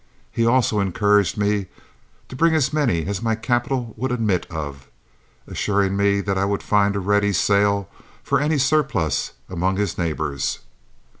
He also encouraged me to bring as many as my capital would admit of, assuring me that I would find a ready sale for any surplus among his neighbors.